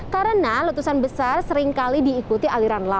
karena letusan besar seringkali diikuti aliran sungai